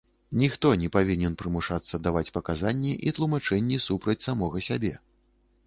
Ніхто не павінен прымушацца даваць паказанні і тлумачэнні супраць самога сябе.